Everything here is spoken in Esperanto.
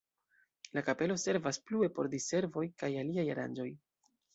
La kapelo servas plue por diservoj kaj aliaj aranĝoj.